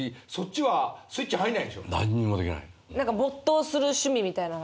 何にもできない。